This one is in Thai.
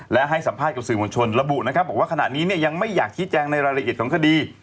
และให้สัมภาษณ์กับสื่อมวลชนระบุนะครับบอกว่าขณะนี้เนี่ยยังไม่อยากชี้แจงในรายละเอียดของคดี